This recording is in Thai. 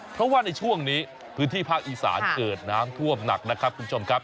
เพราะว่าในช่วงนี้พื้นที่ภาคอีสานเกิดน้ำท่วมหนักนะครับคุณผู้ชมครับ